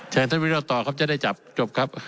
เชิญท่านวิโรธต่อครับจะได้จับจบครับ